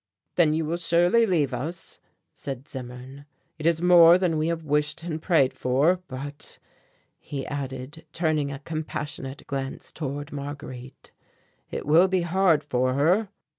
"Then you will surely leave us," said Zimmern. "It is more than we have wished and prayed for, but," he added, turning a compassionate glance toward Marguerite, "it will be hard for her."